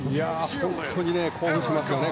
本当に興奮しますよね